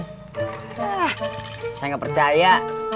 ah saya gak percaya